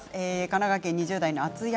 神奈川県２０代の方です。